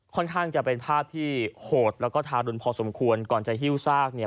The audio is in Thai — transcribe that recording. ข้างจะเป็นภาพที่โหดแล้วก็ทารุณพอสมควรก่อนจะหิ้วซากเนี่ย